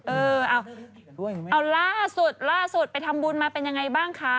เออเอาล่าสุดไปทำบุญมาเป็นอย่างไรบ้างคะ